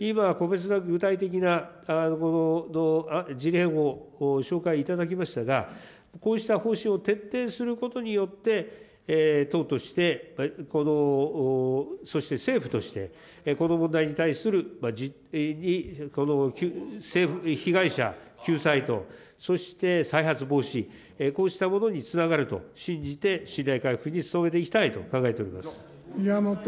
今、個別な具体的な事例を紹介いただきましたが、こうした方針を徹底することによって、党としてこのそして政府として、この問題に対する被害者救済と、そして再発防止、こうしたものにつながると信じて、信頼回復に努めていきたいと考えております。